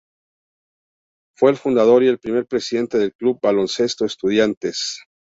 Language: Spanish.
Fue el fundador y el primer presidente del Club Baloncesto Estudiantes.